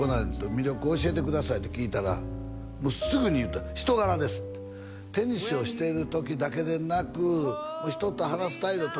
「魅力教えてください」って聞いたらもうすぐに言った「人柄です」って「テニスをしてる時だけでなく人と話す態度とか」